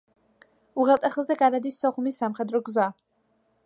უღელტეხილზე გადადის სოხუმის სამხედრო გზა.